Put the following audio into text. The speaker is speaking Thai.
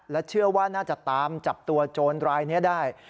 เชื่อว่าน่าจะตามจับตัวโจรรายนี้ได้